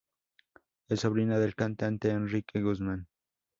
Es sobrina del cantante Enrique Guzmán.